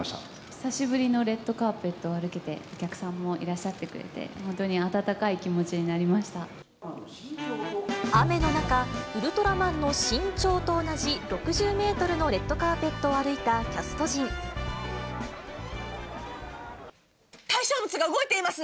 久しぶりのレッドカーペットを歩けて、お客さんもいらっしゃってくれて、雨の中、ウルトラマンの身長と同じ６０メートルのレッドカーペットを歩い対象物が動いています。